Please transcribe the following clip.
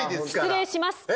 失礼します。